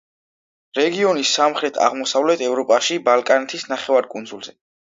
რეგიონი სამხრეთ-აღმოსავლეთ ევროპაში, ბალკანეთის ნახევარკუნძულზე.